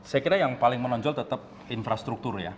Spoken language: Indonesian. saya kira yang paling menonjol tetap infrastruktur ya